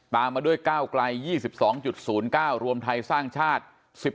ตามมาด้วยก้าวกลาย๒๒๐๙รวมไทยสร้างชาติ๑๑๓๗